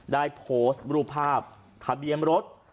ได้โพสต์รูปภาพทะเบียนรถ